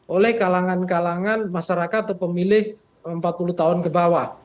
oleh kalangan kalangan masyarakat atau pemilih empat puluh tahun ke bawah